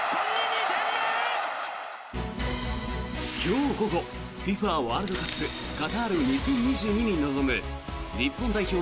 今日午後ＦＩＦＡワールドカップカタール２０２２に臨む日本代表